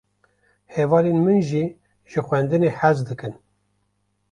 Hevalên min jî ji xwendinê hez dikin.